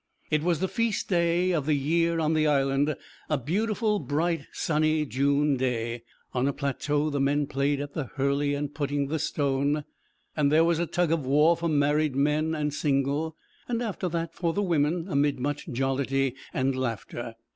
It was the feast day of the year on the Island, a beautiful bright sunny June day. On a plateau the men played at the hurley and putting the stone; and there was a tug of war for married men and single, and after that for the women, amid much jollity and laughter.